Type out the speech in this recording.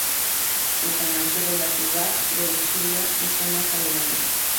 El canal cubre la ciudad de Ushuaia y zonas aledañas.